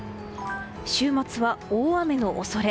週末は大雨の恐れ。